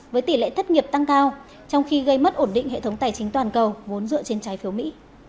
với tỷ lệ thất nghiệp tăng cao trong khi gây mất ổn định hệ thống tài chính toàn cầu vốn dựa trên trái phiếu mỹ